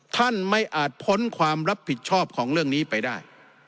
ท่านไม่อาจพ้นความรับผิดชอบของเรื่องนี้ไปได้